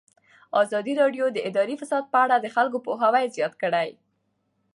ازادي راډیو د اداري فساد په اړه د خلکو پوهاوی زیات کړی.